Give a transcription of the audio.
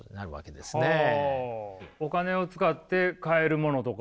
お金を使って買えるものとか？